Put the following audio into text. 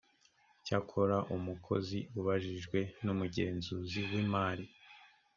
cyakora umukozi ubajijwe n’umugenzuzi w’imari